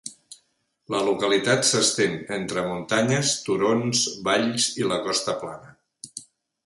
La localitat s'estén entre muntanyes, turons, valls i la costa plana.